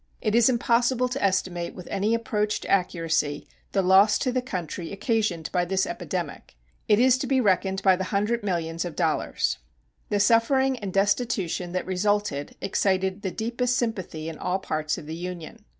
It is impossible to estimate with any approach to accuracy the loss to the country occasioned by this epidemic It is to be reckoned by the hundred millions of dollars. The suffering and destitution that resulted excited the deepest sympathy in all parts of the Union.